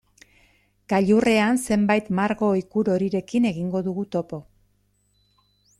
Gailurrean zenbait margo-ikur horirekin egingo dugu topo.